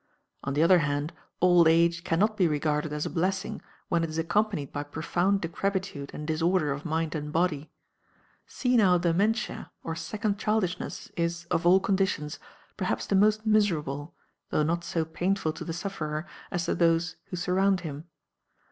On the other hand, old age can not be regarded as a blessing when it is accompanied by profound decrepitude and disorder of mind and body. Senile dementia, or second childishness, is, of all conditions, perhaps the most miserable, though not so painful to the sufferer as to those who surround him.